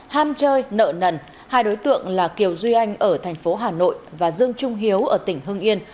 ham chơi nợ nần hai đối tượng là kiều duy anh ở thành phố hà nội và dương trung hiếu ở tỉnh hưng yên